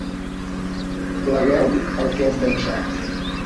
Plegueu el que heu llençat!